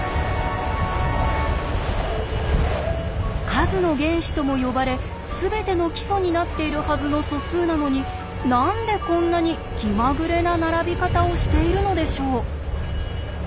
数の原子とも呼ばれ全ての基礎になっているはずの素数なのに何でこんなに気まぐれな並び方をしているのでしょう？